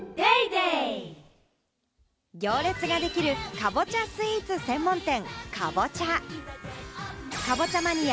行列ができるカボチャスイーツ専門店。